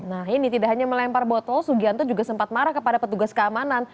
nah ini tidak hanya melempar botol sugianto juga sempat marah kepada petugas keamanan